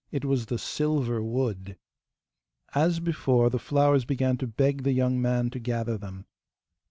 It was the silver wood. As before, the flowers began to beg the young man to gather them.